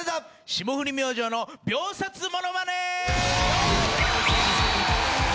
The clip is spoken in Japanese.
霜降り明星の秒殺ものまね」